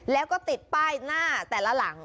แล้วก็ติดป้ายหน้าแต่ละหลัง